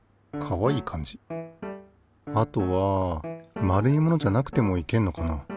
あとは丸いものじゃなくてもいけんのかな？